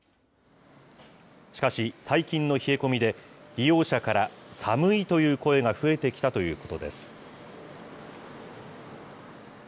しかし、最近の冷え込みで、利用者から寒いという声が増えてきたということです。